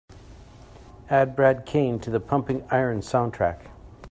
Add brad kane to the Pumping Iron soundtrack.